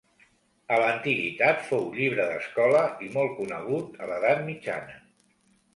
A l'antiguitat fou llibre d'escola i molt conegut a l'Edat Mitjana.